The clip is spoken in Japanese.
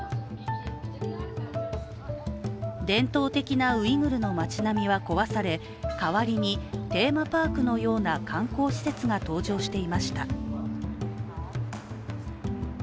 伝統的なウイグルの町並みは壊され代わりにテーマパークのような観光施設が登場していました。